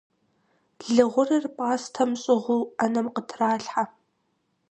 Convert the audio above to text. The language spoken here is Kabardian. Лы гъурыр пӀастэм щӀыгъуу Ӏэнэм къытралъхьэ.